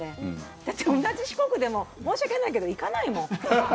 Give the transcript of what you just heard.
だって、同じ四国でも申し訳ないけど行かないもん。